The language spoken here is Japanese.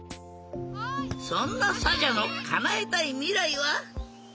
そんなサジャのかなえたいみらいは？